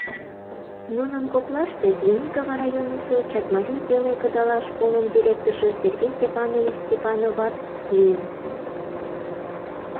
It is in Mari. Нунын коклаште Звенигово районысо Чакмарий пеле кыдалаш школын директоржо Сергей Степанович Степановат лийын.